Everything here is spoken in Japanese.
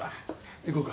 行こうか。